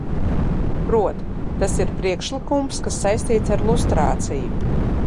Proti, tas ir priekšlikums, kas saistīts ar lustrāciju.